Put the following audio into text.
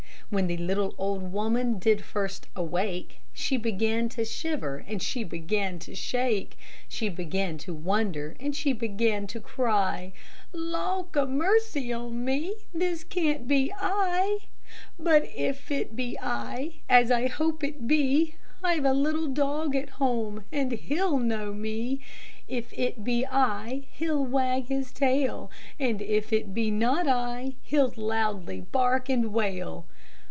When the little old woman first did wake, She began to shiver and she began to shake; She began to wonder and she began to cry, "Lauk a mercy on me, this can't be I! "But if it be I, as I hope it be, I've a little dog at home, and he'll know me; If it be I, he'll wag his little tail, And if it be not I, he'll loudly bark and wail."